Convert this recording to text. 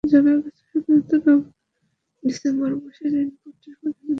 জানা গেছে, সাধারণত নভেম্বর-ডিসেম্বর মাসে ঋণপত্রের পরিমাণ বছরের অন্যান্য সময়ের চেয়ে বেশি থাকে।